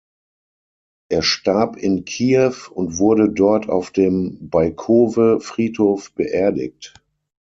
Er starb in Kiew und wurde dort auf dem Baikowe-Friedhof beerdigt.